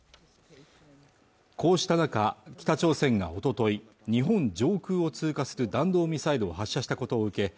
こうした中、北朝鮮がおととい日本上空を通過する弾道ミサイルを発射したことを受け